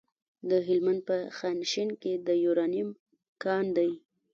د هلمند په خانشین کې د یورانیم کان دی.